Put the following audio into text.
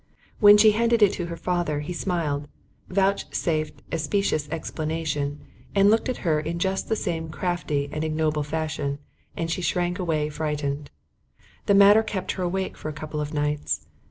When she handed it to her father, he smiled, vouchsafed a specious explanation, and looked at her in just the same crafty and ignoble fashion, and she shrank away frightened. The matter kept her awake for a couple of nights.